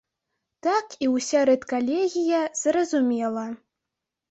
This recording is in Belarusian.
Так і ўся рэдкалегія зразумела.